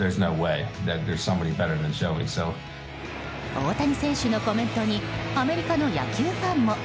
大谷選手のコメントにアメリカの野球ファンも。